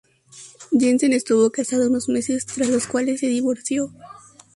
Jensen estuvo casada unos meses, tras los cuales se divorció.